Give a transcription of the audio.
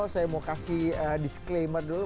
saya mau kasih disclaimer dulu